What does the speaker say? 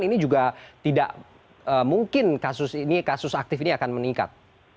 ini juga tidak mungkin kasus ini kasus aktif ini akan meningkat